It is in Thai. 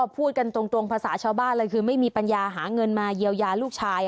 พูดกันตรงภาษาชาวบ้านเลยคือไม่มีปัญญาหาเงินมาเยียวยาลูกชาย